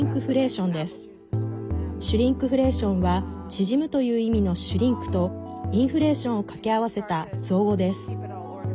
シュリンクフレーションは縮むという意味のシュリンクとインフレーションを掛け合わせた造語です。